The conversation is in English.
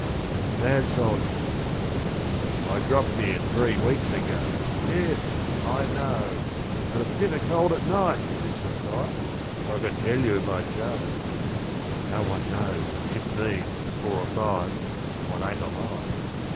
THE MAD SOLDIER. IDROPP'D here three weeks ago, yes — I know, And it's bitter cold at night, since the fight — I could tell you if I chose — no one knows Excep' me and four or five, what ain't alive.